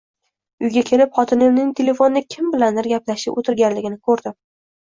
Uyga kelib xotinimning telefonda kim bilandir gaplashib o`tirganligini ko`rdim